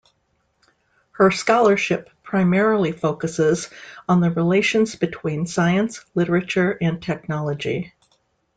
Her scholarship primarily focuses on the relations between science, literature, and technology.